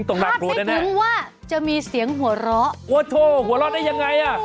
คาดไม่ถึงว่าจะมีเสียงหัวเราะโอ้โธหัวเราะได้ยังไง